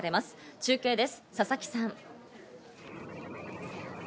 中継です、佐々木さん。